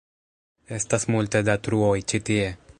Estas multe da truoj ĉi tie.